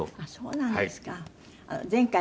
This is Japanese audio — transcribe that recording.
あっそうなんですか。